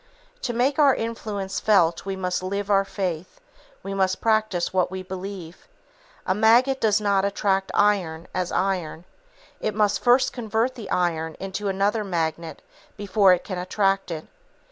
To make our influence felt we must live our faith, we must practice what we believe. A magnet does not attract iron, as iron. It must first convert the iron into another magnet before it can attract it.